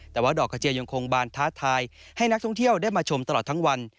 แต่ว่าดอกกระเจียยังคงบานท้าทายให้นักท่องเที่ยวได้มาชมตลอดทั้งวัน